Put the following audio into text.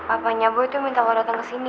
apanya boy tuh minta lo dateng kesini